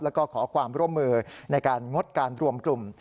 แล้วก็ขอความร่วมมือในการงดการรวมกลุ่ม